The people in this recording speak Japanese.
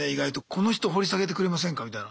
この人掘り下げてくれませんかみたいな。